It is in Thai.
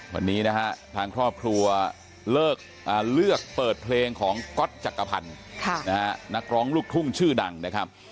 วันนี้นะฮะทางครอบครัวเลือกเปิดเพลงของก๊อตจักรพันธ์นักร้องลูกทุ่งชื่อดังนะครับ